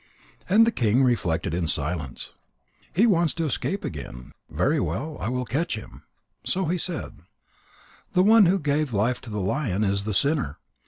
And the king reflected in silence: "He wants to escape again. Very well. I will catch him again." So he said: "The one who gave life to the lion, is the sinner.